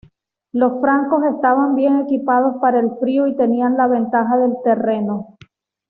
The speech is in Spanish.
Los francos estaban bien equipados para el frío y tenían la ventaja del terreno.